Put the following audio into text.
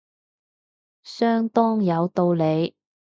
相當有道理